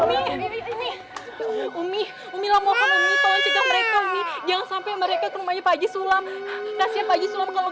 ini umi umi lamohan ini jangan sampai mereka ke rumahnya pak jisulam kasih pak jisulam kalau